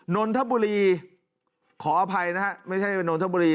นนทบุรีขออภัยนะฮะไม่ใช่นนทบุรี